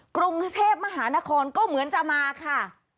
กรุงเทพมหานครก็เหมือนจะมาค่ะ